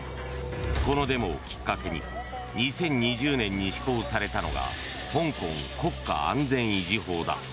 このデモをきっかけに２０２０年に施行されたのが香港国家安全維持法だ。